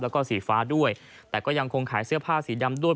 แล้วก็สีฟ้าด้วยแต่ก็ยังคงขายเสื้อผ้าสีดำด้วย